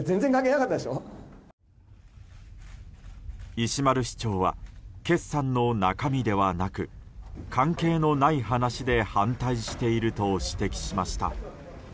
石丸市長は決算の中身ではなく関係のない話で反対していると指摘しました。